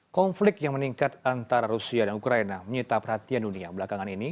konflik yang meningkat antara rusia dan ukraina menyita perhatian dunia belakangan ini